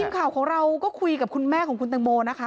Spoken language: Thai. ข่าวของเราก็คุยกับคุณแม่ของคุณตังโมนะคะ